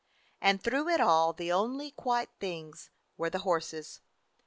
And through it all the only quiet things were the horses.